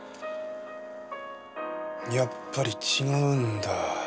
やっぱり違うんだ。